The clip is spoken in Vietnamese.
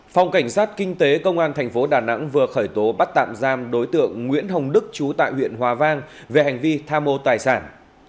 phòng cảnh sát kinh tế công an thành phố đà nẵng vừa khởi tố bắt tạm giam đối tượng nguyễn hồng đức chú tại huyện hòa vang về hành vi tham mô tài sản